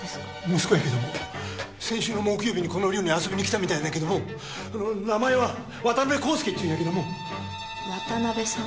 息子やけども先週の木曜日にこの寮に遊びにきたみたいなんやけども名前は渡辺康介っちゅうんやけども渡辺さん？